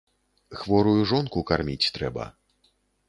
Хворую жонку карміць трэба.